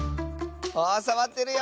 あさわってるよ。